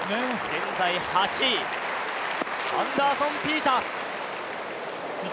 現在８位、アンダーソン・ピータース。